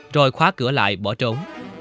rồi khóa cửa lại bỏ trốn